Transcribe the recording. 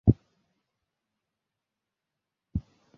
তারপর তিনি মুখে মুখে জমিটা আমায় দিয়ে দিলেন।